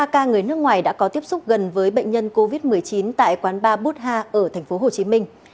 ba ca người nước ngoài đã có tiếp xúc gần với bệnh nhân covid một mươi chín tại quán ba butha ở tp hcm